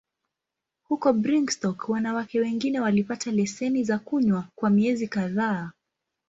Huko Brigstock, wanawake wengine walipata leseni za kunywa kwa miezi kadhaa.